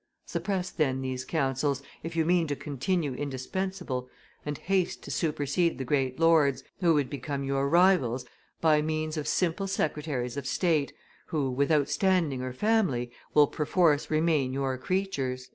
Suppress, then, these councils, if you mean to continue indispensable, and haste to supersede the great lords, who would become your rivals, by means of simple secretaries of state, who, without standing or family, will perforce remain your creatures."